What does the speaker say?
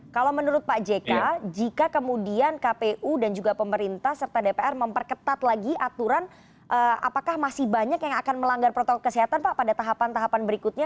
kalau menurut pak jk jika kemudian kpu dan juga pemerintah serta dpr memperketat lagi aturan apakah masih banyak yang akan melanggar protokol kesehatan pak pada tahapan tahapan berikutnya